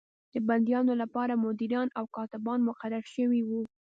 د بندیانو لپاره مدیران او کاتبان مقرر شوي وو.